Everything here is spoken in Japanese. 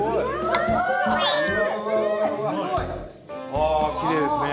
あきれいですね。